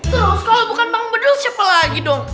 terus kalau bukan bang bedul siapa lagi dong